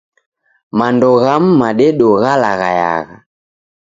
Mando ghamu madedo ghalaghayagha.